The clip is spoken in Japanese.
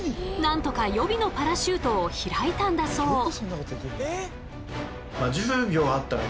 なんとか予備のパラシュートを開いたんだそう。